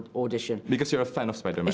karena anda seorang fan spider man bukan